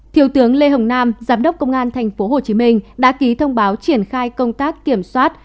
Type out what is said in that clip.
thiếu tướng lê hồng nam giám đốc công an tp hcm đã ký thông báo triển khai công tác kiểm soát